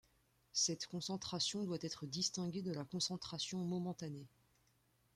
Cette concentration doit être distinguée de la concentration momentanée.